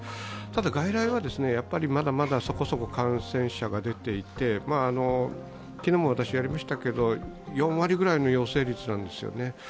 ただ外来はやっぱりまだまだそこそこ感染者が出ていて昨日も私やりましたけれども、４割くらいの陽性率なんです。